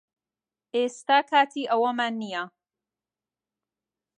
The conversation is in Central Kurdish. ئێستا کاتی ئەوەمان نییە